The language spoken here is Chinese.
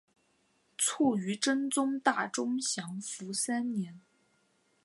卒于真宗大中祥符三年。